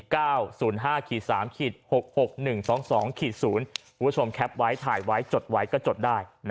แคปไว้ถ่ายไว้จดไว้ก็จดได้